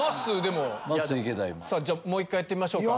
もう１回やってみましょうか。